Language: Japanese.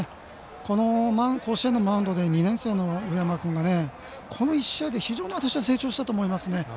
この甲子園のマウンドで２年生の上山君がこの１試合で非常に私は成長したと思います。